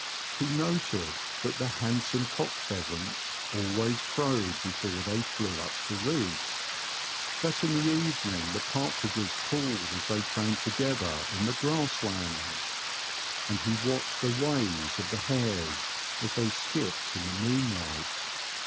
He noted that the hand some cock pheasants always crowed before they flew up to roost ; that in the evening the partridges called as they came together in the grass lands ; and he watched the ways of the hares as they skipped in the moonlight.